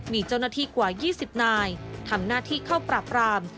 มีเจ้าหน้าที่กว่า๒๐นายทำหน้าที่เข้าปราบราม